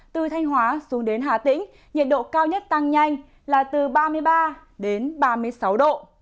từ thanh hóa xuống đến hà tĩnh nhiệt độ cao nhất tăng nhanh là từ ba mươi ba đến ba mươi sáu độ